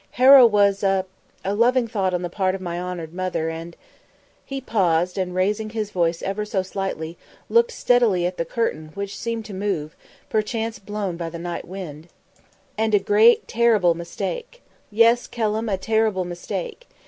Harrow was a a loving thought on the part of my honoured mother, and " He paused, and raising his voice ever so slightly, looked steadily at the curtain which seemed to move, perchance blown by the night wind "and a great, a terrible mistake. Yes, Kelham, a terrible mistake.